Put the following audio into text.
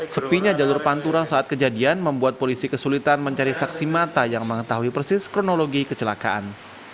sepinya jalur pantura saat kejadian membuat polisi kesulitan mencari saksi mata yang mengetahui persis kronologi kecelakaan